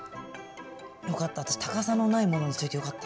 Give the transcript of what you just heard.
よかった私高さのないものにしといてよかった。